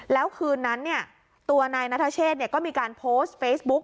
แล้วคืนนั้นตัวนายนัทเชษก็มีการโพสต์เฟซบุ๊ก